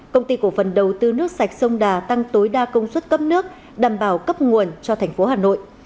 công ty cổ phần đầu tư nước sạch sông đà tăng tối đa công suất cấp nước đảm bảo cấp nguồn cho thành phố hà nội